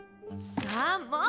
ああもう！